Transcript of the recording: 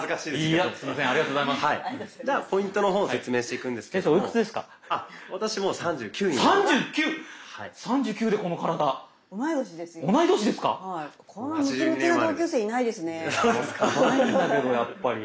ヤバいんだけどやっぱり。